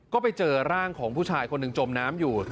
ก็ไปเจอร่างของผู้ชายคนหนึ่งจมน้ำอยู่